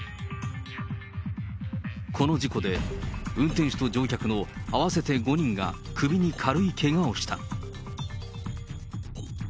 この事故で、運転手と乗客の合わせて５人が、首に軽いけがをした。